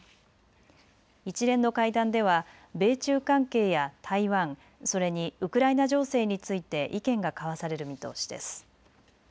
一連の会談では米中関係や台湾、それにウクライナ情勢について意見が交わされる見通しです。